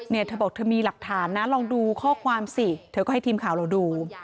เธอบอกเธอมีหลักฐานนะลองดูข้อความสิเธอก็ให้ทีมข่าวเราดู